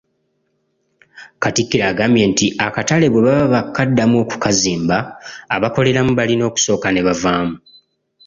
Katikkiro agambye nti akatale bwe baba bakaddamu okukazimba, abakoleramu balina okusooka ne bavaamu.